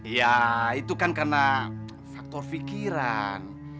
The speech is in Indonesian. ya itu kan karena faktor pikiran